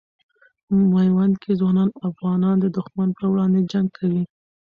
میوند کې ځوان افغانان د دښمن پر وړاندې جنګ کوي.